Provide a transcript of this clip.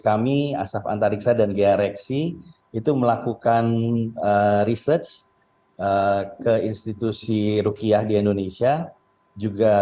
kami asaf antariksa dan gareksi itu melakukan research ke institusi rukiah di indonesia juga